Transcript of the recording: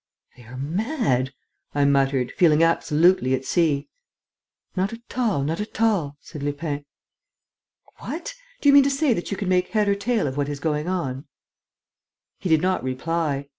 "They are mad!" I muttered, feeling absolutely at sea. "Not at all, not at all," said Lupin. "What! Do you mean to say that you can make head or tail of what is going on?" He did not reply.